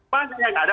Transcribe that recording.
banyak yang ada